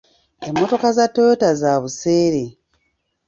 Emmotoka za toyota za buseere.